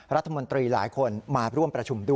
รัฐมนตรีหลายคนมาร่วมประชุมด้วย